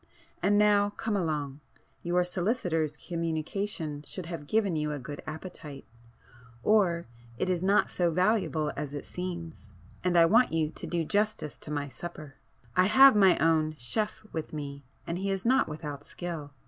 And now come along,—your solicitor's communication should have given you a good appetite, or it is not so valuable as it seems,—and I want you to do justice to my supper. I have my own chef with me, and he is not without skill.